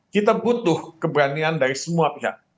kita butuh keberanian dari semua pihak